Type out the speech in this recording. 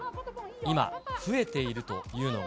今、増えているというのが。